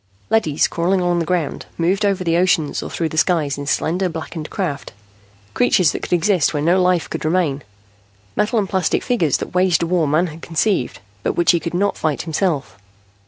Leadys, crawling along the ground, moving over the oceans or through the skies in slender, blackened craft, creatures that could exist where no life could remain, metal and plastic figures that waged a war Man had conceived, but which he could not fight himself.